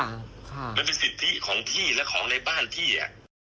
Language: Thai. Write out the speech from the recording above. มันเป็นสิทธิของพี่และของในบ้านพี่อ่ะ